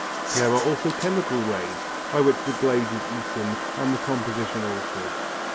There are also chemical ways by which the glaze is eaten and its composition altered.